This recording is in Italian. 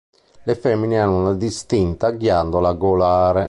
Le femmine hanno una distinta ghiandola golare.